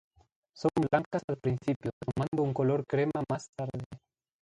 Son blancas al principio, tomando un color crema más tarde.